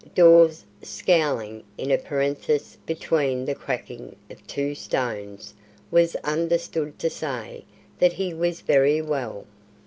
Dawes, scowling in a parenthesis between the cracking of two stones, was understood to say that he was very well.